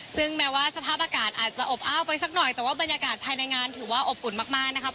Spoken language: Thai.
ซึ่งแม้ว่าสภาพอากาศอาจจะอบอ้าวไปสักหน่อยแต่ว่าบรรยากาศภายในงานถือว่าอบอุ่นมากนะครับ